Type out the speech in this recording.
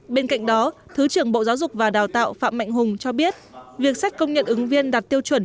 bên cạnh đó thứ trưởng bộ giáo dục và đào tạo phạm mạnh hùng cho biết việc xét công nhận ứng viên đạt tiêu chuẩn